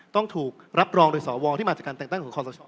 ต้องถูกรับรองโดยสวที่มาจากการแต่งตั้งของคอสช